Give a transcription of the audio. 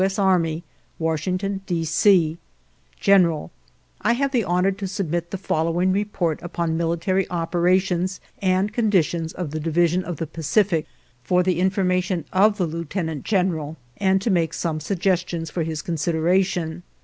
S. Army, Washington, D. C: "General: I have the honor to submit the following report upon military opera tions and the condition of the Division of the Pacific for the information of the Lieu tenant General, and to make some sugges tions for his consideration